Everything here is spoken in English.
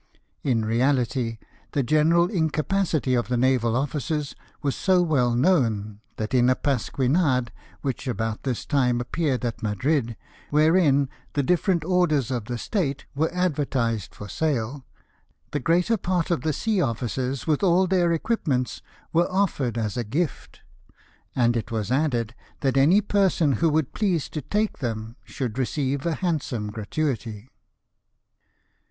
In reality, the general incapacity of the naval officers was so well known, that in a pasquinade which about this time appeared at Madrid, wherein the different orders of the State were advertised for sale, the greater part of the sea officers, with all their equipments, were offered as a gift ; and it was added that any person who would please to take them should receive a handsome gratuity.